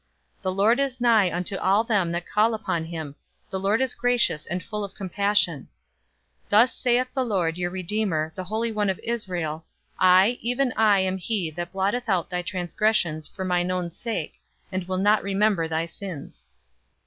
"The Lord is nigh unto all them that call upon him the Lord is gracious, and full of compassion." "Thus saith the Lord, your Redeemer, the Holy One of Israel, I, even I, am he that blotteth out thy transgressions for mine own sake, and will not remember thy sins."